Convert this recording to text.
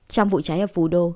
trong vụ cháy ở phú đô